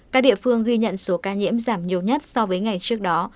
các địa phương ghi nhận số ca nhiễm giảm nhiều nhất so với ngày trước đó